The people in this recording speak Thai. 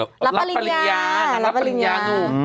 รับบริญญารับบริญญา